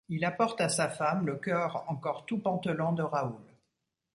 Il apporte à sa femme le cœur encore tout pantelant de Raoul.